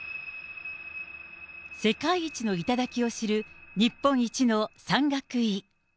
世界一の頂を知る日本一の山岳医。